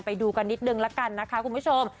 ไปดูกันนิดนึงละกันนะคะคุณผู้ชม